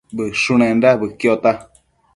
Bëshunenda bëquiota